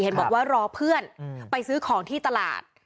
บอกว่ารอเพื่อนไปซื้อของที่ตลาด